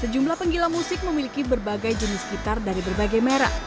sejumlah penggila musik memiliki berbagai jenis gitar dari berbagai merek